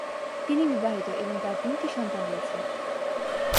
তিনি বিবাহিত এবং তার তিনটি সন্তান রয়েছে।